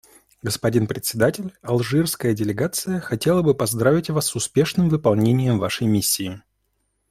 Господин Председатель, алжирская делегация хотела бы поздравить Вас с успешным выполнением Вашей миссии.